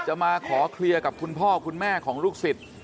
มาขอเคลียร์กับคุณพ่อคุณแม่ของลูกศิษย์